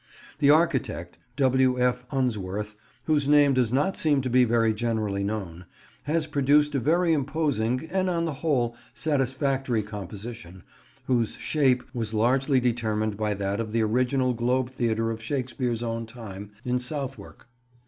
The architect, W. F. Unsworth, whose name does not seem to be very generally known, has produced a very imposing, and on the whole, satisfactory composition, whose shape was largely determined by that of the original Globe Theatre of Shakespeare's own time in Southwark.